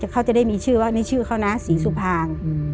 เขาจะได้มีชื่อว่านี่ชื่อเขานะศรีสุภาง